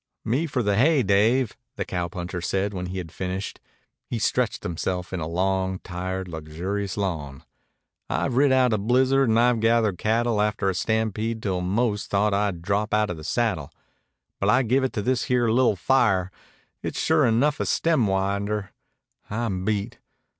"Me for the hay, Dave," the cowpuncher said when he had finished. He stretched himself in a long, tired, luxurious yawn. "I've rid out a blizzard and I've gathered cattle after a stampede till I 'most thought I'd drop outa the saddle. But I give it to this here li'l' fire. It's sure enough a stemwinder. I'm beat.